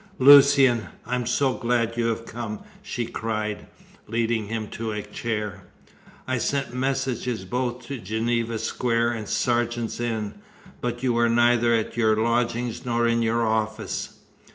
"Lucian, I am so glad you have come!" she cried, leading him to a chair. "I sent messages both to Geneva Square and Sergeant's Inn, but you were neither at your lodgings nor in your office."